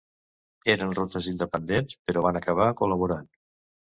Eren rutes independents, però van acabar col·laborant.